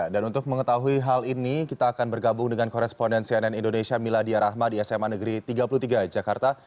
dan untuk mengetahui hal ini kita akan bergabung dengan korespondensi ann indonesia miladia rahma di sma negeri tiga puluh tiga jakarta